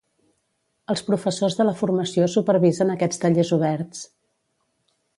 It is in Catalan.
Els professors de la Formació supervisen aquests tallers oberts.